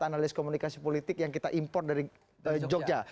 analis komunikasi politik yang kita impor dari jogja